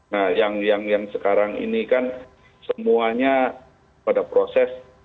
nah yang sekarang ini kan semuanya pada proses